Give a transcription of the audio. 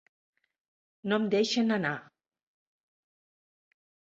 No em deixen anar!